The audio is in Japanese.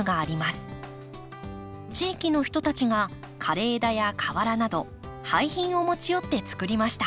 地域の人たちが枯れ枝や瓦など廃品を持ち寄って作りました。